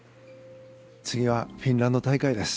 次はフィンランド大会です。